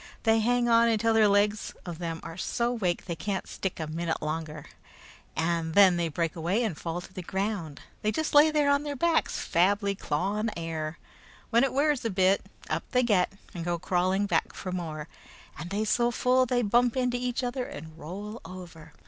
They hang on until the legs of them are so wake they can't stick a minute longer, and then they break away and fall to the ground. They just lay there on their backs, fably clawing air. When it wears off a bit, up they get, and go crawling back for more, and they so full they bump into each other and roll over.